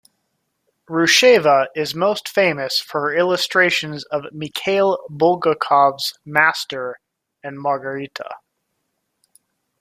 Rusheva is most famous for her illustrations of Mikhail Bulgakov's Master and Margarita.